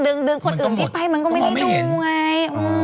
ดึงคนอื่นที่ไปมันก็ไม่ได้ดูไง